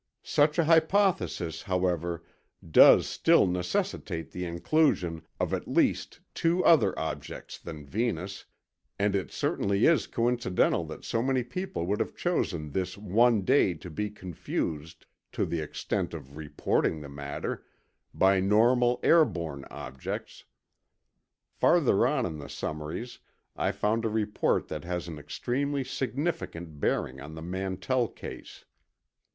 ... Such a hypothesis, however, does still necessitate the inclusion of at least two other objects than Venus, and it certainly is coincidental that so many people would have chosen this one day to be confused (to the extent of reporting the matter) by normal airborne objects. ..." Farther on in the summaries, I found a report that has an extremely significant bearing on the Mantell case.